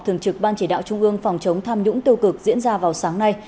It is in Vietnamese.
thường trực ban chỉ đạo trung ương phòng chống tham nhũng tiêu cực diễn ra vào sáng nay